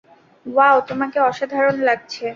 Wow, তোমাকে অসাধারণ লাগছে।